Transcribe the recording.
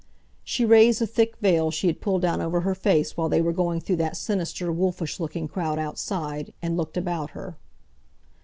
She raised the thick veil she had pulled down over her face while they were going through that sinister, wolfish looking crowd outside, and looked about her.